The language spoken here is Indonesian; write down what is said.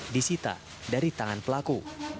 disita dari tangan pelaku